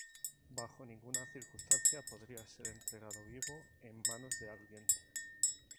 Bajo ninguna circunstancia podría ser entregado vivo en manos de alguien.